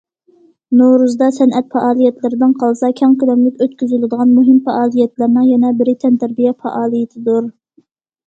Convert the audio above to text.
نورۇزدا سەنئەت پائالىيەتلىرىدىن قالسا، كەڭ كۆلەملىك ئۆتكۈزۈلىدىغان مۇھىم پائالىيەتلەرنىڭ يەنە بىرى تەنتەربىيە پائالىيىتىدۇر.